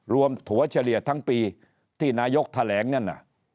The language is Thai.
ถั่วเฉลี่ยทั้งปีที่นายกแถลงนั่นน่ะ